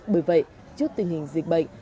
bởi vậy trước tình hình dịch bệnh